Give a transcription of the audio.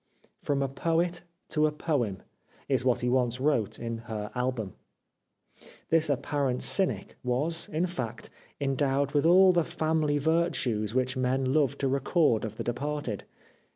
'^ From a poet to a poem " is what he once wrote in her album. This ap parent cynic was, in fact, endowed with all the family virtues which men love to record of the departed.